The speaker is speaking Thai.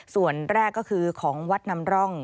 ส่วนแรกก็คือของวัดนำร่อง